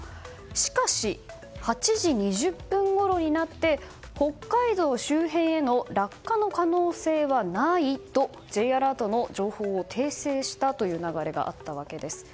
しかし、８時２０分ごろになって北海道周辺への落下の可能性はないとＪアラートの情報を訂正したという流れがあったわけです。